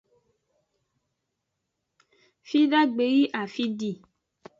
Fidagbe yi afi di.